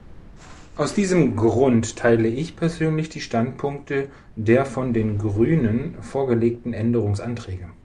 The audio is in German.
Aus diesem Grund teile ich persönlich die Standpunkte der von den Grünen vorgelegten Änderungsanträge.